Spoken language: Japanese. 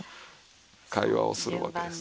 会話をするわけです。